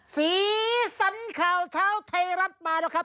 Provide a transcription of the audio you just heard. สีสันข่าวเช้าไทยรัฐมาแล้วครับ